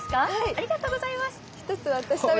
ありがとうございます。